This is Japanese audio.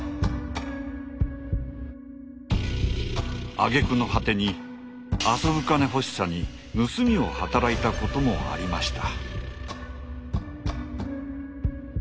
あげくの果てに遊ぶ金欲しさに盗みを働いたこともありました。